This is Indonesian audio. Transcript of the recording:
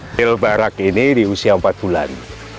kecil barak ini diusia empat bulan